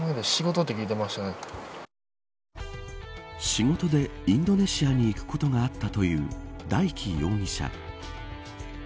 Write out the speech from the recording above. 仕事でインドネシアに行くことがあったという大祈容疑者。